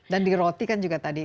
dan di roti kan juga tadi